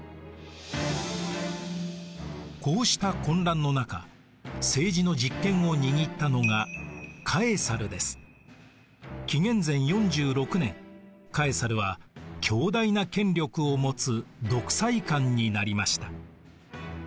こうした混乱の中政治の実権を握ったのが紀元前４６年カエサルは強大な権力を持つ独裁官になりました。